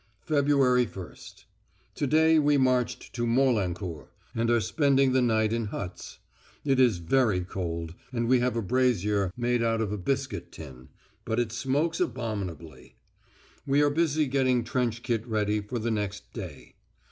"Feb. 1st. To day we marched to Morlancourt and are spending the night in huts. It is very cold, and we have a brazier made out of a biscuit tin, but it smokes abominably. We are busy getting trench kit ready for the next day.